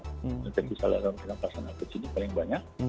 kita bisa lihat dengan pasangan kecil ini paling banyak